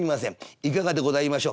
いかがでございましょ？